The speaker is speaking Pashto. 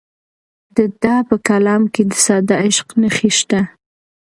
د ده په کلام کې د ساده عشق نښې شته.